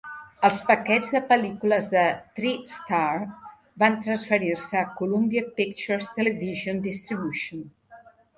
Els paquets de pel·lícules de Tri-Star van transferir-se a Columbia Pictures Television Distribution.